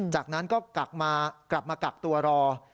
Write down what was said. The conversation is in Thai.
จากนั้นก็กลับมาตัวรอปรากฏตอนนั้นเริ่มมีไข้สูง